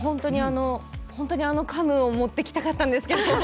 本当にカヌーを持ってきたかったんですけど。